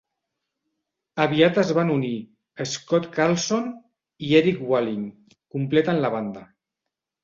Aviat es van unir Scott Carlson i Erik Wallin, completen la banda.